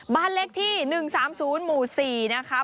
บ้านเลขที่๑๓๐หมู่๔นะคะ